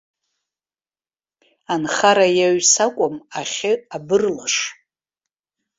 Анхара иаҩс акәым, ахьы, абырлаш!